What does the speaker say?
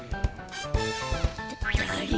だだれ？